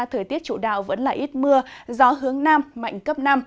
thời tiết chủ đạo vẫn là ít mưa gió hướng nam mạnh cấp năm